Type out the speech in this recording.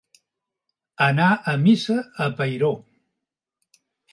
Anar a missa a Peiró.